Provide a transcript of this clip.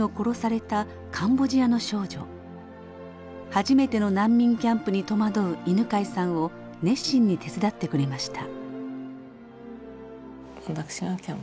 初めての難民キャンプに戸惑う犬養さんを熱心に手伝ってくれました。